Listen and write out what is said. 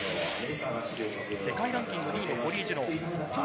世界ランキング２位のコリー・ジュノー。